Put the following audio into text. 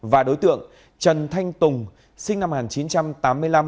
và đối tượng trần thanh tùng sinh năm một nghìn chín trăm tám mươi năm